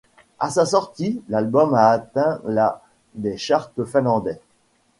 À sa sortie, l'album a atteint la des charts finlandais.